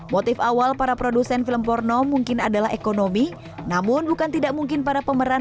motif awal para produsen film porno mungkin adalah ekonomi namun bukan tidak mungkin para pemeran